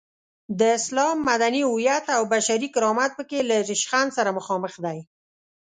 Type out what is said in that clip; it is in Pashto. د اسلام مدني هویت او بشري کرامت په کې له ریشخند سره مخامخ دی.